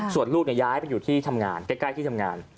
ส่วนลูกย้ายไปอยู่ที่ทำงานใกล้ที่ทำงาน